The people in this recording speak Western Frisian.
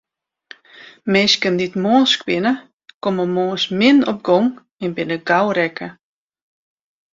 Minsken dy't moarnsk binne, komme moarns min op gong en binne gau rekke.